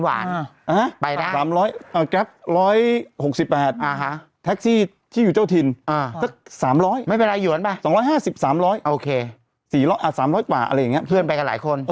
แก๊ป๑๖๘แท็กซี่ที่อยู่เจ้าถิ่นสัก๓๐๐ไม่เป็นไรหวนไป๒๕๐๓๐๐โอเค๓๐๐กว่าอะไรอย่างนี้เพื่อนไปกันหลายคน